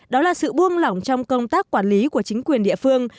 đó là sự buông lỏng trong công tác quản lý của chính quyền địa phương